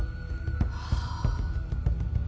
はあ。